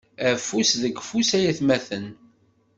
Afus deg ufus ay atmaten.